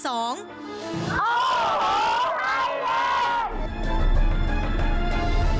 โอ้โหไทยเวท